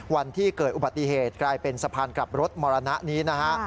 วันที่เกิดอุบัติเหตุกลายเป็นสะพานกลับรถมรณะนี้นะฮะ